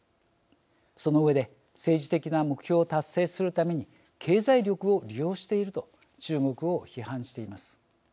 その上で政治的な目標を達成するために経済力を利用していると中国を批判しています。